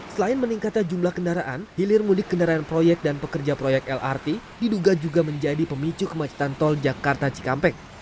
selain meningkatnya jumlah kendaraan hilir mudik kendaraan proyek dan pekerja proyek lrt diduga juga menjadi pemicu kemacetan tol jakarta cikampek